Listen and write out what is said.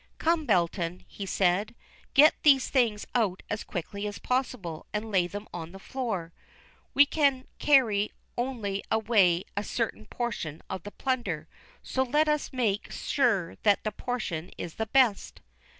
"Come, Belton," he said, "get these things out as quickly as possible and lay them on the floor. We can carry only away a certain portion of the plunder, so let us make sure that that portion is the best."